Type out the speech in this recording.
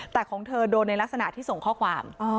แต่ของเธอโดนในลักษณะที่ส่งข้อความ